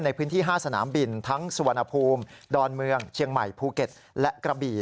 ในพื้นที่๕สนามบินทั้งสุวรรณภูมิดอนเมืองเชียงใหม่ภูเก็ตและกระบี่